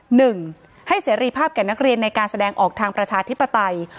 หนึ่งให้เสรีภาพแก่นักเรียนในการแสดงออกทางประชาธิปไตย